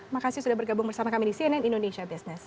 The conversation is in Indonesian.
makasih sudah bergabung bersama kami di cnn indonesia business